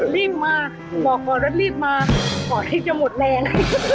หมอกออกรถรีบมาหมอกรถรีบจะหมดแรง